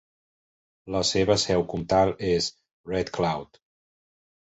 La seva seu comtal és Red Cloud.